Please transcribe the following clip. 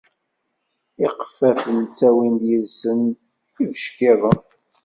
Iqeffafen ttawin yid-sen ibeckiḍen